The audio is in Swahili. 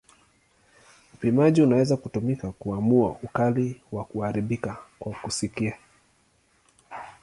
Upimaji unaweza kutumika kuamua ukali wa kuharibika kwa kusikia.